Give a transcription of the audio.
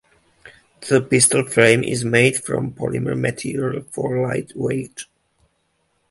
The pistol frame is made from polymer material for light weight.